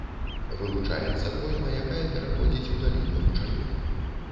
Вылучаецца пойма, якая пераходзіць у даліны ручаёў.